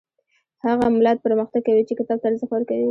هغه ملت پرمختګ کوي چې کتاب ته ارزښت ورکوي